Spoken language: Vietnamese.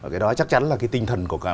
cái đó chắc chắn là cái tinh thần của